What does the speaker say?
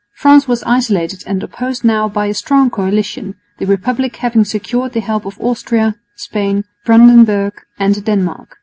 France was isolated and opposed now by a strong coalition, the Republic having secured the help of Austria, Spain, Brandenburg and Denmark.